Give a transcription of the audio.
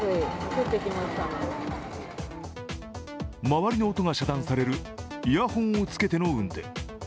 周りの音が遮断されるイヤホンをつけての運転。